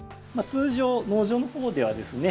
通常農場のほうではですね